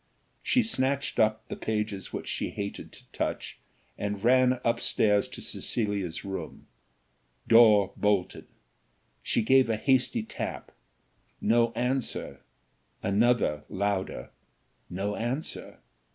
She snatched up the pages which she hated to touch, and ran up stairs to Cecilia's room, door bolted; she gave a hasty tap no answer; another louder, no answer.